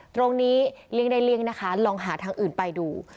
เลี่ยงได้เลี่ยงนะคะลองหาทางอื่นไปดู